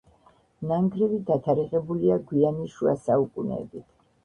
ნანგრევი დათარიღებულია გვიანი შუა საუკუნეებით.